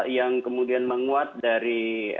yang kemudian menguat dari